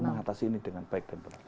mengatasi ini dengan baik dan benar